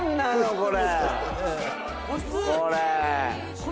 これ。